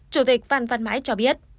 chủ tịch phan văn mãi cho biết